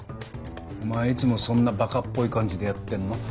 お前いつもそんなバカっぽい感じでやってんの？